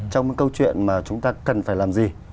trong cái câu chuyện mà chúng ta cần phải làm gì